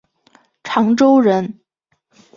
长洲人。